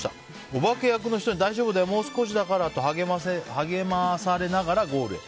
お化け役の人に大丈夫だよ、もう少しだからと励まされながらゴールへ。